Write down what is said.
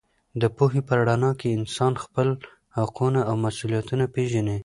د پوهې په رڼا کې انسان خپل حقونه او مسوولیتونه پېژني.